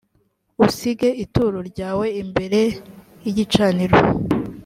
usige ituro ryawe imbere y igicaniro.